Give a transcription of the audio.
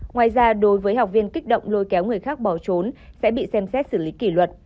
ngoài ra đối với học viên kích động lôi kéo người khác bỏ trốn sẽ bị xem xét xử lý kỷ luật